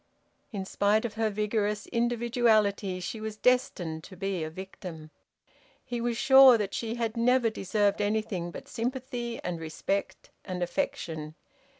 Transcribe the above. In spite of her vigorous individuality she was destined to be a victim. He was sure that she had never deserved anything but sympathy and respect and affection.